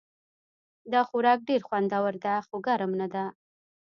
دا خوراک ډېر خوندور ده خو ګرم نه ده